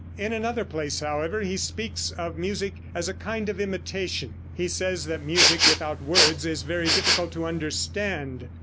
In another place, however, he speaks of music as a kind of imitation. He says that music without words is very difficult to understand.